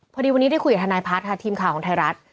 พอดีวันนี้ได้คุยกับทนายพัฒน์ค่ะทีมข่าวของไทยรัฐ